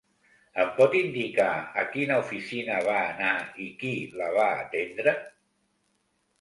Em pot indicar a quina oficina va anar, i qui la va atendre?